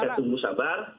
kita tunggu sabar